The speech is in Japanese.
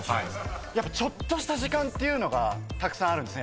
やっぱちょっとした時間がたくさんあるんですね。